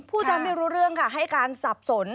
จำไม่รู้เรื่องค่ะให้การสับสน